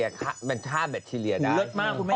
จรรยาบริเคราะห์ค่ะ